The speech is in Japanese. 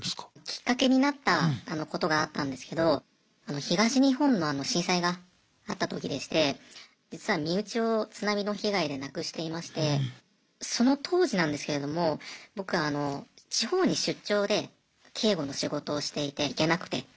きっかけになったことがあったんですけど東日本の震災があった時でして実は身内を津波の被害で亡くしていましてその当時なんですけれども僕あの地方に出張で警護の仕事をしていて行けなくて。